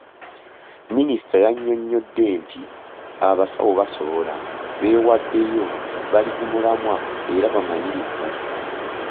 Minisita yannyonnyodde nti abasawo basobola, beewaddeyo, bali ku mulamwa era bamanyirivu.